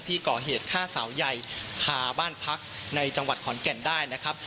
ที่ก่อเหตุฆ่าสาวใหญ่คาบ้านพักในจังหวัดขอนแก่นได้นะครับ